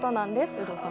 有働さん。